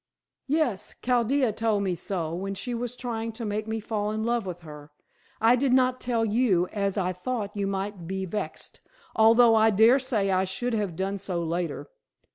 "Yes! Chaldea told me so, when she was trying to make me fall in love with her. I did not tell you, as I thought that you might be vexed, although I dare say I should have done so later.